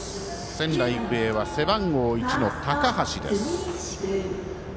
仙台育英は背番号１の高橋です。